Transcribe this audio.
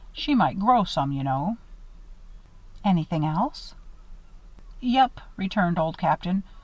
She might grow some, you know." "Anything else?" "Yep," returned Old Captain.